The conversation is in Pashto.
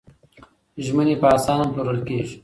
ژمنې په اسانه پلورل کېږي.